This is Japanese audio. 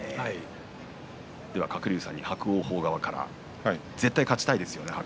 では鶴竜さん伯桜鵬側から、絶対勝ちたいですよね。